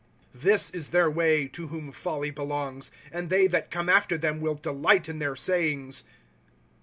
This is their way, to whom folly belongs ; Aad they that come after them will delight in their say ings.